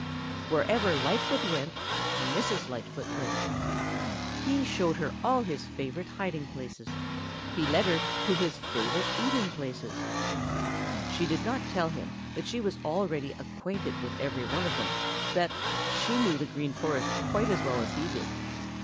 Wherever Lightfoot went, Mrs. Lightfoot went. He showed her all his favorite hiding places. He led her to his favorite eating places. She did not tell him that she was already acquainted with every one of them, that she knew the Green Forest quite as well as he did.